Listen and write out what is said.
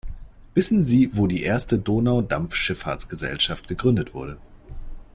Wissen sie wo die erste Donaudampfschiffahrtsgesellschaft gegründet wurde?